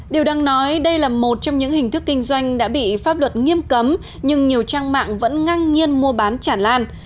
điều đang nói đây là một trong những hình thức kinh doanh đã bị pháp luật nghiêm cấm nhưng nhiều trang mạng vẫn ngang nhiên mua bán chản lan